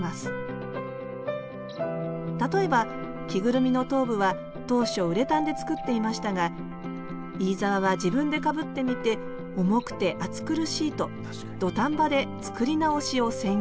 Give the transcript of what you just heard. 例えば着ぐるみの頭部は当初ウレタンで作っていましたが飯沢は自分でかぶってみて重くて暑苦しいと土壇場で作り直しを宣言。